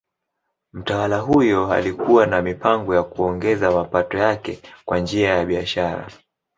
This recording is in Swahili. Mtawala huyo alikuwa na mipango ya kuongeza mapato yake kwa njia ya biashara.